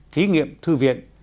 thí nghiệm thư viện